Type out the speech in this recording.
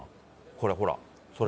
これ、ほら、これ。